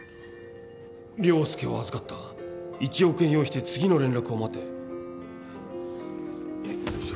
「椋介を預かった」「１億円用意して次の連絡を待て」えっ？